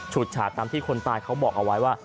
ฉาดตามที่คนตายเขาบอกเอาไว้ว่า